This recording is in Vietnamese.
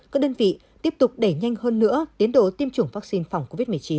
các đơn vị tiếp tục đẩy nhanh hơn nữa tiến độ tiêm chủng vaccine phòng covid một mươi chín